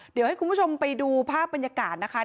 เดี๋ยวให้คุณผู้ชมไปดูภาพบรรยากาศนะคะ